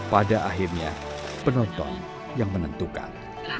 pada akhirnya penonton yang menentukan